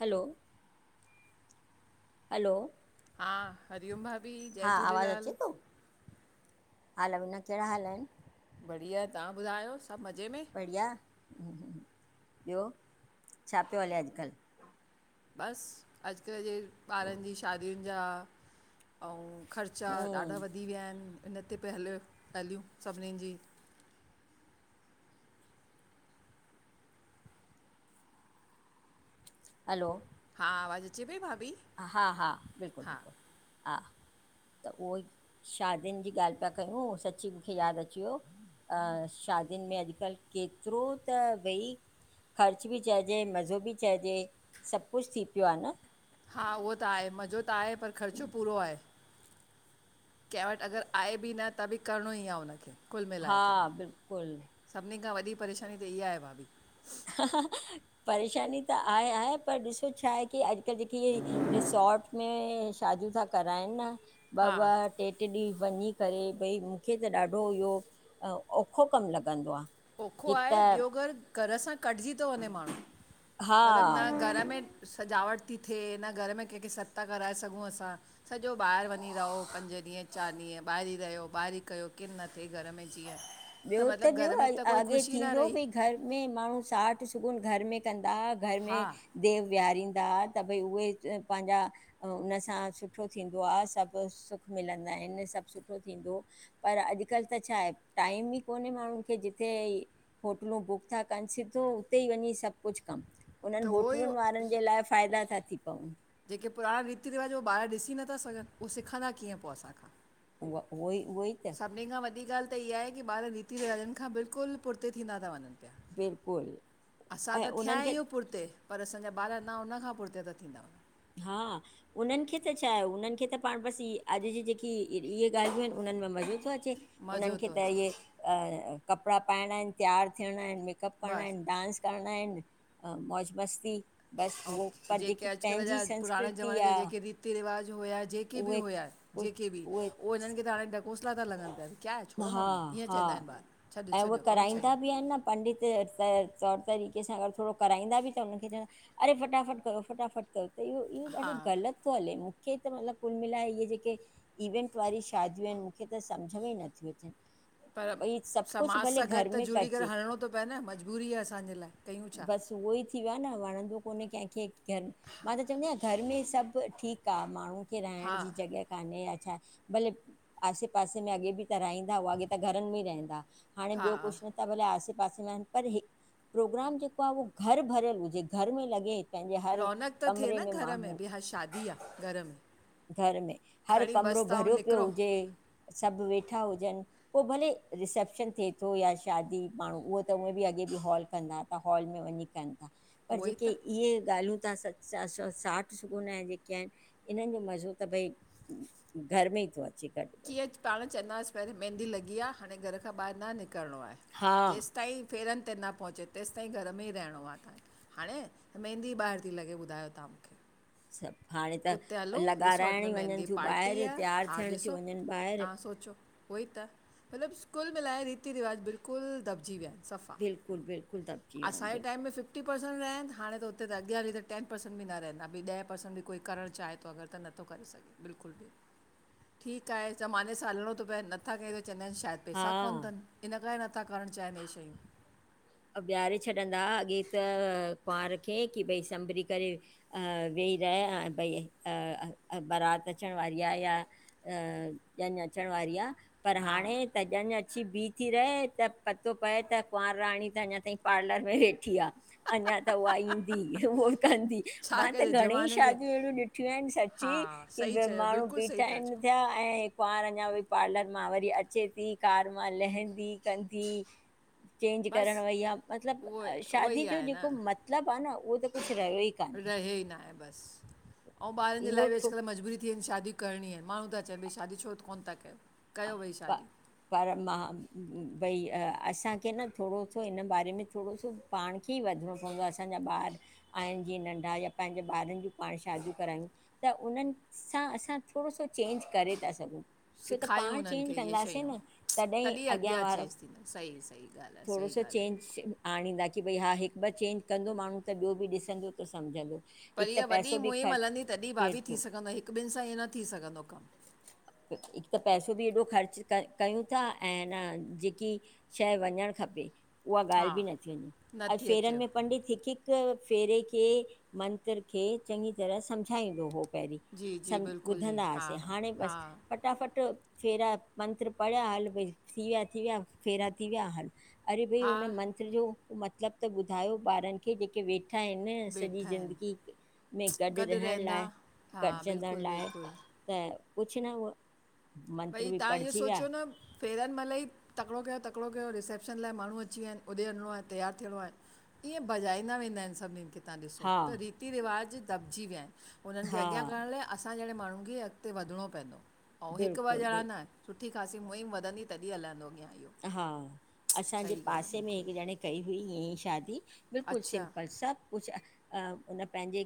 हलो hello हा हरिओम भाभी हा जय आवाज़ु अचे झूलेलाल थो हा लवीना कहिड़ा हाल आहिन बढ़िया तव्हां ॿुधायो सब मज़े में बढ़िया ॿियो छा पियो हले अॼुकल्ह बस अॼुकल्ह जे ॿारनि जी शादियुनि जा ऐं ख़र्चा ॾाढा हम्म वधी विया आहिन इन तेे पि हल हलियूं सभिनीनि जी हलो हा आवाज़ अचे पई भाभी हा हा बिल्कुल हा बिल्कुल हा त उहो ई शादियुनि ॼी ॻाल्ह पिया कयूं सची मुखे याद अची वियो अ शादियुनि में अॼुकल्ह केतिरो त वेई ख़र्चु ॿि चइॼे मॼो़ ॿि चइॼे सब कुछ थी पियो आ न हा उहो त आहे मॼो़ त आहे पर ख़र्चो पूरो आहे कंहिं वट अगर आहे ॿि न त ॿि करिणों ई आ उनखे कुल हा मिलाए करे बिल्कुलु सभिनी खां वॾी परेशानी त इहा ए भाभी ह ह परेशानी त आहे आहे पर ॾिसो छाहे की अॼु ॼेकी रिसोर्ट में शादियूं था कराइनि न ॿ हा ॿ ट्रे ट्रे ॾींहं वंञीं करे भई मूंखे त ॾाढो इहो औखो कमु लॻंदो आ ओखो आहे ॿियो घरु घर सां कटिॼी तो वंञें माण्हूँ, मतिलबु न हा घर में सजावट ती थिए न घर में कंहिंखे सॾ ता कराए सघूं असां सॼो ॿाहिरि वंञीं रहो पंज ॾींहं चारि ॾींहं ॿाहिरी रहियो ॿाहिरी कयो किन न थिए घर में ॼीअं ॿियो त ॿियो अॻे थींदो बी घर में माण्हूँ साठ सुगुन घर में कंदा हा घर में देव विहारींदा हा त भई उहे पांजा उनसां सुठो थींदो आ सभु सुखु मिलंदा हिनि सभु सुठो थींदो पर अॼुकल्ह त छाहे टाइम ई कोन्हे माण्हुंनि खे ॼिथे होटलूं बुक था कनि सिधो उते ई वंञीं सभु कुझु कम त उन्हनि उहो ई होटलुनि वारनि ॼे लाए फ़ाइदा था थी पवनि ॼेके पुराणां रीति रिवाॼ ओ ॿार ॾिसी नथा सघनि, उहो सिखंदा कीअं पो असांखां उव उवई उवई सभिनी खां वॾी ॻाल्हि त इहा ए की ॿार रीति रिवाॼ़नि खां बिल्कुलु पुर्ते थींदा ता वंञंनि। बिल्कुलु असां ऐं त थियां उन्हनि खे हियूं पुरते पर असांॼा ॿार अना उनखां पुर्ते ता थींदा वञनि हा उन्हनि खे त छाहे उन्हनि खे त पांण ॿसि ई अॼु ॼी ॼेकी इहे ॻाल्हियूं आहिनि उन्हनि में मॼो थो अचे उन्हनि मज़ो खे थो त अचे इहे पियो अ कपिड़ा पांइणां इनि तियारु थियंणां इनि मेकअप करिणां बसि इनि डांस करिणां इनि अ मौॼ मस्ती ॿस उहो पर ॼेकी पंहिजा पहिंजा पुराणे ॼ़माने ॼा ॼेके रीति रिवाॼ हुया ॼेके ॿि उहे हुआ ॼेके ॿि कुझु उहे उहो हिननि खे त हांणें ॾकोसला ता लॻन पिया। क्या हे छोड़ो हा मम्मी ईअं हा चइंदा इनि ॿार छॾ ऐं उहे छॾि मम्मी छॾि कराईंदा बि आहिनि न पंडित त तौर तरीक़े सां अॻरि थोड़ो कराईंदा ॿि त उन्हिनि खे चवंदा अरे फटाफट करो फटाफट करो त इहो इहो हा ॾाढो ग़लति नथो हले मूंखे त मतिलॿु कुल मिलाए इहो ॼेके इवेंट वारी शादियूं आइनि मुखे त सम्झ में ई नथियूं अचनि। पर भई सभु समाॼ कुझु भले सां गॾु घर त में ॼुड़ी कजे करे हलिणों तो पए न मॼॿूरी आ असांॼे लाइ, कयूं छा? बसि उहो ई थी वियो आ न वणंदो कोन्हे कंहिंखे घर में, मां त चवंदी आहियां घर में सॿु ठीक आ माण्हुं खे राहिंण हा जी ॼॻहि कान्हे या छा भले आसे पासे में अॻे ॿि त राईंदा हुआ अॻे त घरनि में रहिंदा हांणें हा ॿियो कुछु न त भले आसे पासे में आहिनि पर हे प्रोग्राम ॼेको आ उहो घर भरियल हुॼे घर में लॻे पंहिंॼे हर रौनक त थिए कमरे न में घर माण्हूं भई हा शादी आहे घर में घरि में हर खणी कमिरो बसि था ऐं भरियो पियो निकिरो हुॼे सभु वेठा हुॼनि पो भले रिसेप्शन थिए थो या शादी माण्हूं उहो त उहें ॿि अॻे ॿि हॉल कंदा हॉल में वंञीं कनि था पर उहो ई ॼेके त इहे ॻाल्हियूं तहा स स साठ सुगून ऐं ॼे के आहिनि इन्हनि ॼो मॼो़ त भई घर में ई थो अचे ॻॾु कींअं पांणं चंइंदास पहिरीं मेंहदी लॻी आ हाणे घर खां ॿाहिरि न निकरणो आहे हा ॼेसि ताईं फेरनि ते न पहुचे तेसिताईं घर में ई रहिणो आ तहांखे हाणे, मेंहदी ॿाहिरि थी लॻे ॿुधायो तव्हां मूंखे सभु हाणे त उते हलो रिसोर्ट लॻाराइण में ई वञनि मेंहदी थियूं पार्टी ॿाहिरि आहे तयारु थियण थियूं वञनि ॿाहिरि सोचो उहो ई त मतिलबु कुल मिलाए रीति रिवाज बिल्कुलु दॿिजी विया आहिनि। सफ़ा, बिल्कुलु बिल्कुलु दॿिजी विया आहिनि असांजे टाइम बिल्कुलु में फिफ फिफ्टी परसेंट रहियाइन, हाणे त उते अॻियां हली त टेन परसेंट बि न रहंदा, ॿि ॾहे परसेंट बि कोई करणु चाहे तो अगरि त नत्थो करे सघे, बिल्कुलु बि ठीक आहे ज़माने सां हलणो तो पए, नत्था कयंऊं त चवंदा आहिनि शायदि पैसा हा कोन्ह थनि, इन्ह करे नथा करणु चाहिनि हे शयूं। बीहारे छॾंदा हा अॻे त कुंवार खे, की भई संभरी करे अ वेही रहिया आ भई, अ अ बारात अचण वारी आ या त ॾयंञं अचण वारी आ। पर हा हाणे त ॼयंञिं अची बीही थी रहे, त पतो पए त कुंआंर राणी त अंञां तांईं पार्लर में वेठी आ, अंञां त उहा ईंदी उहो कंदी छा मां त कजे घणेंई ज़माने खे शादियूं अहिड़ियूं ॾिठियूं आहिनि सची, हा की सही चयो माण्हूं बिल्कुलु सही बीठा था आहिनि चओ थिया ऐं कुंआंर अंञां वई पार्लर मां वरी अचे थी, कार मां लहंदी कंदी चेंज करण बसि वईया, उहो मतिलबु उहो शादी ई जो आहे जेको मत -लब आ न उहो त कुछु रहियो कान्हे रहेई नाहे बसि, अंउं ॿारनि जे इहो लाए बि थो अॼुकल्ह मजबूरी थी वयुं इनि शादियूं करिणी आहे, माण्हूं ता चवनि भई शादी छो कोन्ह था कयो, कयो भई प शादी पर मां भई असांखे न थोड़ो सो इन्ह बारे में थोड़ो सो पांण खे ई वधिणो पवंदो आ, असांजा ॿार आहिनि जीअं नंढा, या पंहिंजे ॿारनि ज्यूं पांण शादियूं करायूं त उन्हनि सां असां थोड़ो सो चेंज करे ता सघूं। छो त सिखा -यूं पाण उन्हनि चेंज खे इह्ये कंदासीं शयूं, न तॾहिं अॻियां चेंज वारा थींदो, सही -सही ॻाल्हि आ थोरो सही सो ॻाल्हि आ चेंज बिल्कुलु। आणींदा की भई हा हिकु ॿ चेंज कंदो माण्हूं त ॿियो बि ॾिसंदो त सम्झंदो। पर हिकु त इह्या वॾी पैसो बि मुहिम ख़र्चु हलंदी, तॾहिं भाभी केरु थी थो सघंदो, हिकु ॿिनि सां ईीअं न थी सघंदो कमु। हिकु त पैसो बि एॾो ख़र्च क कयूं था, ऐं न जेकी शंएं वंञंणु खपे, उहा ॻाल्हि हा बि न थी वंञें अॼु नथी फेरनि अचेव में पंडित हिकु -हिकु हिकु फेरे खे मंत्र खे चङी तरह सम्झाईंदो हो। पहिरीं जी जी सम बिल्कुलु जी ॿुधंदा हा हुआसीं हाणे हा बसि फटाफट फेरा मंत्र पढ़िया, हलु भई थी विया, थी विया फेरा थी विया हलु अरे भई हा हुन मंत्र जो मतिलबु त ॿुधायो ॿारनि खे जेके वेठ -ठा हिनि, सॼी वेठा ज़िंदगी आहिनि -में गॾु रहण लाए, हा गॾजंदड़ बिल्कुलु लाए, बिल्कुलु त कुझु न ऊहो भई तव्हां इह्यो सोचियो न फेरनि महिलई तकिड़ो कयो, तकिड़ो कयो रिसेप्शन लाए माण्हूं अची विया हिनि, ओॾह वंञिंणो आहे तैयारु थियणो आहे। ईअं भॼाईंदा वेंदा हिनि, सभिनीनि खे। तहां ॾिसो हा त रीति रिवाज़ दॿजी विया हिनि, उन्हनि खे हा अॻियां करण लाए असां असां जहिड़े माण्हुन खे अॻिते वधिणो पवंदो ऐं द हिकु [inaudible] ॿ ॼणां न, सुठी ख़ासी मुहिम वधंदी तॾहिं हलंदो अॻियां इह्यो। हा, असांजे पासे में बिल्कुलु हिकु ॼणे कई हुई ईअं ई शादी बिल्कुलु अच्छा सिंपल, सभु कुछ उन पंहिंजे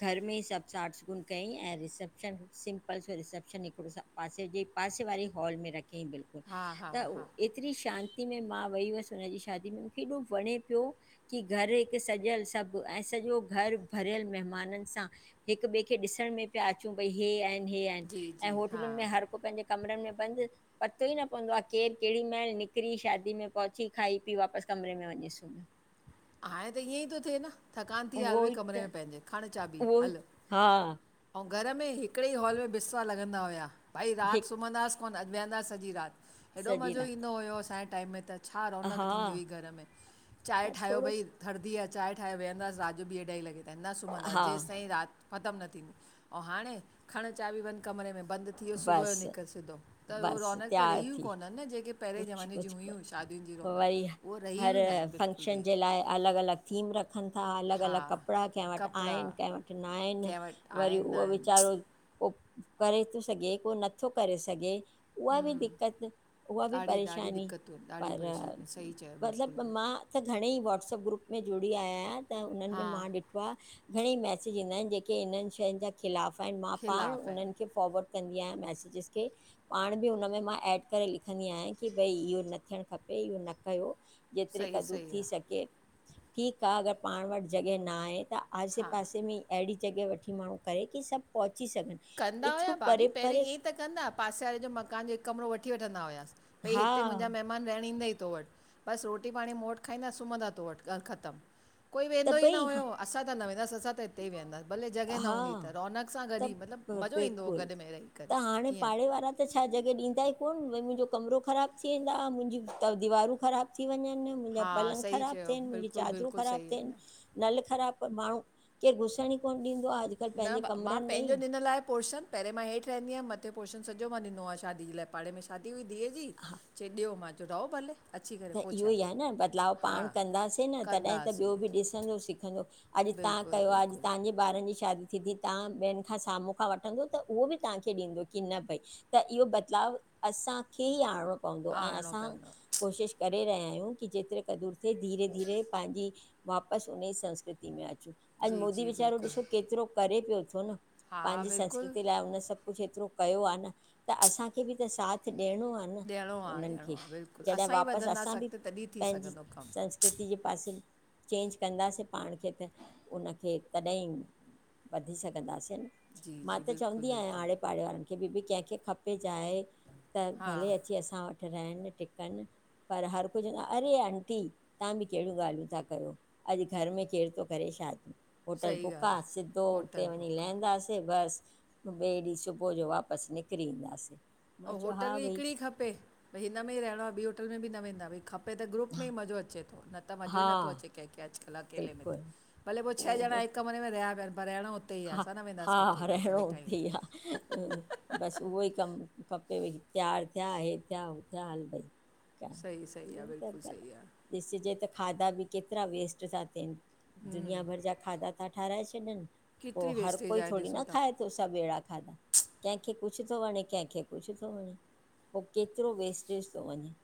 घर में ई सभु साठसगुन कयईं, ऐं रिसेप्शन सिम्पल सो रिसेप्शन हिकिड़ो सा पासे जे पासे वारी हॉल में रखियईं बिल्कुलु हा- हा त उ- -हा एतिरी शांती में मां वई हुअसि हुनजी शादी में, मुखे एॾो वणें पियो कि घर हिकु सॼियल सभु ऐं सॼो घर भरियल महिमाननि सां। हिक ॿिए खे ॾिसण में पिया अच भई हेआहिन- हे आहिनि, जी ऐं जी हा होटलुनि में हर को पंहिंजे कमरनि में बंदि, पतो ई न पवंदो आ केर केंॾि महिल निकिरी शादी में पहुची खाई पी वापसि कमरे में वंञी सुमियो। हाणे त ईअं ई थो थिए न, थकान थी आहे, हल उहो भई ई कमरे त में पंहिंजे, खण चाबी उहो हल! हा ऐं घर में हिकिड़े ई हॉल में बििस्तरा लॻंदा हुया, भई राति हिक सुम्हंदासीं कोन वेहंदा सॼी रात, हेॾो सॼी मज़ो राति ईंदो हुयो असांजे टाइम में त। छा रौनक हा थींदी हुई घर में, चांयं त ठाहियो थोरो भई थरदी आहे, चांय ठाहे वेहंदासीं रात ॿी- अढाई लॻे ताईं न सुम्हंदासीं, हा जेसि ताई राति गतमु न थींदी। अंउ हाणे, खण चाबी वंञ कमरे में बंद थी वियो सुबुह जो बसि निकिरी सिघो त उह बसि रौनक त रहि तयारु ई थी कोननि न जेके पहिरें कुझु ज़माने जी कुझु हुयु कोन्हे शादी शादियुनि वरी हर बिल्कुलु फंक्शन बि जे लाइ अलॻि- अलॻि थीम रखनि था, अलॻि- हा अलॻि कप कपिड़ा कंहिं वटि कपिड़ा आहिनि, कंहिं वटि न आहिनि, कंहिं वटि वरी आहिनि न उहो आहिनि वीचारो को करे थो सघे, को नथो करे सघे। उहा बि दिक्क़त, उहा बि ॾाढी ॾाढी परेशानी दिक़तूं आहिनि ॾाढी पर परेशानियूं आहिनि सही चयो बिल्कुलु मतिलबु इहो मां त घणेई व्हाट्सअप ग्रुप में जुड़ी आयायां त उन्हनि हा में मां ॾिठी आहे घणेई मैसेज ईंदा आहिनि जेके इन्हनि शयुनि जे खिलाफ़ आहिनि, मां पाण खिलाफ़ु आहिनि उन्हनि खे फॉर्वड कंदी आहियां मैसेजिस खे। पाण बि हुन में मां एड करे लिखंदी आहियां कि भई इहो न थियणु खपे, इहो न कयो। जेतिरे सही क़दुरु सही थी आहे सघे, ठीकु आ अगरि पाण वटि जॻहि न आहे त आसे हा पासे में ई अहिड़ी जॻह वठी माण्हू करे कि सभु पंहुची सघनि। कंदा एतिरो हुया भाभी परे पहिरीं परे ईअं ई त कंदा हुया, पासे वारे जो मकान जो हिकु कमिरो वठी वठंदा हुआस। भई हा हिते मुंहिंजा महिमान रहणु ईंदई तो वटि, बस रोटी पाणी मूं वटि खाईंदा, सुम्हंदा तो वटि, बस ॻाल ख़तमु। कोई त वेंदो ई न भई हा हुयो, असां त न वेंदासीं, असां त हुते वेहंदासीं, भले जॻहि न हूंदी हा त रौनक सां त गॾु मतिलबु मज़ो ईंदो हुओ बिल्कुलु। गॾ में रही त हाणे करे ईअं पाड़े वारा ॿि त छा जॻहि ॾींदा ई कोन, भई मुंजो कमिरो ख़राबु थी वेंदा, मुंहिंजी दीवारूं ख़राबु थी वञनि मुंजा हा पलंग सही ख़राब चयो थियनि, मुंजी बिल्कुलु चादरूं बिल्कुलु ख़राबु सही थियनि, आहे नल ख़राबु, माण्हू केरु घुसण ॾींदो आ। न मां पंहिंजे ॾिनल आहे पोर्शन। पहिरें मां हेठि रहंदीयम, मथे पोर्शन सॼो मां ॾिनो आ शादीअ जे लाइ पाड़े में शादी हुई धीअ जी, चंयंई ॾियो, मां चयो राओ भले। अची करे त पोइ इहो छा ई आहे न, बदलाव पाण हा कंदासीं न तॾहिं त ॿियो कंदासीं बि ॾिसंदो सिखंदो। अॼु तां बिल्कुलु कयो आ अॼु बिल्कुलु तहांजे ॿारनि जी शादी दीदी तां ॿियनि खां साम्हूं खां वठंदोव त उहो बि तांखे ॾींदो कि न भई त इहो बदलाव असांखे ई आणणो पवंदो, ऐं आणो असां पवंदो कोशिश करे रहिया आहियूं कि जेतिरे क़दुरु थिए धीरे- धीरे पंहिंजी वापसि उन ई संस्कृति में अचूं। अॼु जी मोदी जी वीचारो बिल्कुलु ॾिसो केतिरो करे पियो थो न हा पंहिंजी बिल्कुलु संस्कृति लाइ उन सभु कुछ एतिरो कयो आ न त असांखे बि त साथ ॾियणो आहे न ॾियणो आहे उन्हनि ॾियणो खे। आहे बिल्कुलु जॾहिं असां ई वापसि असां वधंदासीं बि अॻिते तॾहिं थी पंहिंजी सघंदो कमु संस्कृ सकृति जे पासे चेंज कंदासीं पाण खे त उनखे तॾहिं वधी सघंदासीं न, जी मांं जी त बिल्कुलु चवंदी आहियां बिल्कुलु हाणे पाड़े वारनि खे ॿी बि कंहिंखे खपे ॼाए त हा भले अची असां वटि रहनि टिक कन पर हर कोई चवंदो आ अड़े आंटी तव्हां बि कहिड़ियूं ॻाल्हियूं था कयो? अॼ घर में केर थो करे शादी। होटल सही बुक ॻाल्हि आ, सिधो आहे होटल हुते वञी बुक आहे लहंदास बस। ॿिए ॾींह सुबुह जो वापस निकरी ईंदास। ऐं होटल बि हिकड़ी ई खपे भई हिन में ई रहणो आ ॿी होटल में बि न वेंदा भई खपे पे त ग्रुप में ई मज़ो अचे थो न त मज़ो हा ईथो अचे कंहिंखे अॼकल अकेले में। बिल्कुलु भले पो छह जणा हिक कमरे में रहया पिया, पर रहणो हा-हा रहिणो हुते ई आ। बस उहो ई कम खपेव, तयार थिया, इहे थिया, उह थिया हल भई। ठीक आ। सही सही इहो आहे बिल्कुलु त सही आहे ॾिसजे त खाधा बि केतरा वेस्ट था थियन। दुुनिया हम्म भर जा खाधा ता ठाराए छडन। पो केतिरी हर वेस्टेज कोई आहे थोरी ॾिसो न था खाए तो सभ अहिड़ा खाधा। कंहिंखे कुछ तो वणे, कंहिंखे कुछ तो वणे। पो केतरो वेस्टेज तो वञे।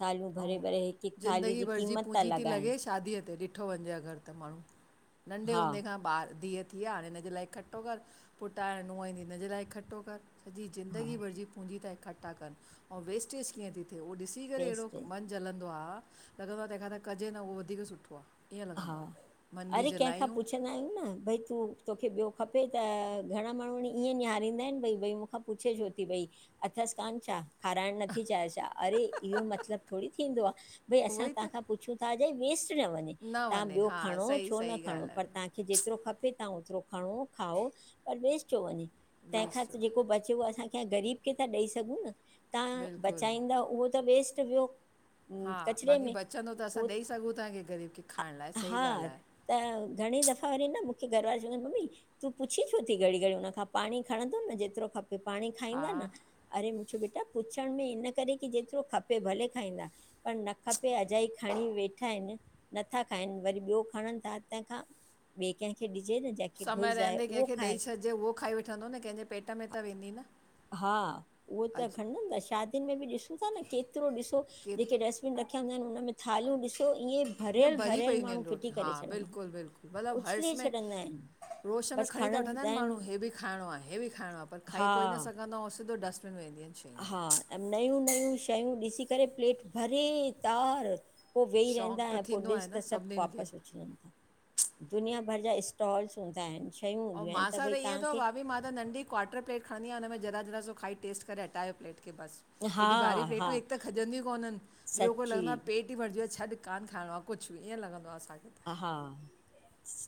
थालियूं भरे अऊं भरे हिकु हिकु थाली ज़िंदगी जी भरजी क़ीमत था पूंजी ती लॻाइनि लॻे शादीअ ते। ॾि ॾिठो वञिजे अॻरि त माण्हू, नंढे हा हूंदे खां ॿार धीअ थी आ, हाणे हिनजे लाइ इकटठो करि। पुत ऐं नुंहं ईंदी त हिनजे लाइ इकटठो कर सॼी हा ज़िंदगी भरजी पूंंजी त इकटठा करन। अऊं वेस्टेज कीअं तो थिए हो ॾिस ॾिसी करे अहिड़ो वेस्टेज मन जलंदो आ, लॻंदो आ तंहिंखां त कजे न उहो वधीक सुठो आ। हा! अरे, कंहिंखां पुछंदा आहियूं न भई तूं तोखे ॿियो खपे त घणा माण्हू ईअं निहारींदा आहिन भई, भई मुखां पुछे छो थी भई। अथस कान छा? खाराइण नथी चाहे छा अड़े इहो मतलब थोरी थींदो आ भई उहो असां ई त तव्हांखां पुछू था अॼाई वेस्ट न वञे, न तां वञे ॿियो हा खणो सही छो न सही खणो ॻाल्हि पर तां आहे जेतरो खपे तव्हां ओतरो खणो खाओ पर वेस छो वञे। तंहिंखां वेस्ट थो त वञे जेको बचे उह असां कै ग़रीब खे था ॾेई सघूं न। तव्हां बिल्कुलु बचाईंदव उहो त वेस्ट वियो। हम्म, हा कचिरे बाक़ी में बचंदो त असां उहो ॾेई सघूं था कै ग़रीब खे। खाइण लाइ सही हा ॻाल्हि आहे त घणे दफ़ा वरी न मुखे घर वारा चवंदा आहिन मम्मी तूं पुछी छो थी घड़ी-घड़ी हुन खां पाणी खणंदो न जेतरो खपे पाणी हा खाईंदा न। अरे मु चयो बेटा पुछण में इन करे की जेतिरो खपे भले खाईंदा, पर न खपे अजाई खणी वेठा आहिन। नथा खाइन वरी ॿियो खणन ता, तहिंखां ॿिए कंहिंखे ॾिजे न जेखै समय रहंदे कंहिंखे ॾेई छॾजे उहो खाई वठंदो न कंहिंजे पेट में त वेंदी न। हा। उहो त अॼु खणदम न शादियुन में बि ॾिसूं था न केतरो ॾिसो जेके केत रेस रखया हूंदा आहिन हुनन में थालियूं ॾिसो इएं हिअं भरी पयूं हूंदुयूं आहिन रोटी, हा बिलकुल, बिलकुल मतलब हर्श उछले में छॾंदा आहिनि य होश में बसि खणी त खणनि वठंदा आहिन माण्हू, आहिनि हे बि खाइणो आ, हे बि खाइणो आ पर खाई हा कोई न सघंदो आ, ऐं सिधो डस्टबिन में वेंदियूं आहिन। हा ऐं नयूं-नयूं शयूं ॾिसी करे प्लेट भरे तार पो वेही शौक़ु रहंदा त ऐंय पो थींदो आहे ॾिस न त सभ सभिनीनि खे वापसि। दुनिया भर जा स्टॉल्स हूंदा आहिन। अऊं मासां त इएं तव भाभी मां त नंढी क्वाटर प्लेट खणंदीयां हुनमें जरा-जरा सो खाई टेस्ट करे हटायो प्लेट खे बस। हा हेॾी भारी हा प्लेटूं हिक त खजंदियूं कोनन ॿियो पो सची लॻंदो आ पेट भरजी वयो आ, छॾ कान खाइणो आ कुछ बि ईअं लंॻदो आ असांखे। त हा।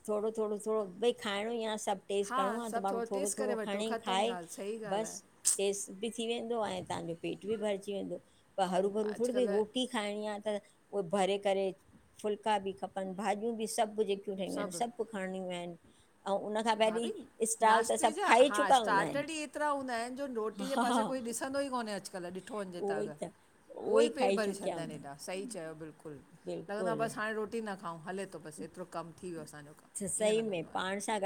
थोडो, थोडो, थोडो भई खाइणो आ सभ टेस्ट हा करणो आ त सभु माण्हू थोरो टेस्ट करे थोरो वठो खणे ख़तमु खाए ॻाल्हि सही ॻाल्हि आहे बस। टेस्ट बि थी वेंदो आ तव्हांजो पेट बि भरजी वेंदो, पर ऐं हर-भर थोडी भई अॼुकल्ह रोटी। खाईणी आ त उव भरे करे फुलका बि खपन भाॼियूं बि सभ कुछ सभु सब खणी वया इन और उन्हा खे भाभी! नाश्ते जा हा चुका हूंदा आहिनि स्टा्टर ई एतरा हूंदा आहिन, जो रोटी जे हा पासे कोई ॾिसंदो ई कोन्हे अॼ कल ॾिठो वञजे त उहो ई अॻर उहो उहे ई पेट खाई भरे चुकिया छदंडा हूंदा आहिन आहिनि हेॾा सही चयो बिलकुल, लॻंदो आहे बिल्कुलु बस हाणे रोटी न अऊं हले थो बस एतरो कम थी वियो असांजो, त इएं सही में लॻंदो आहे। पाण सां गॾु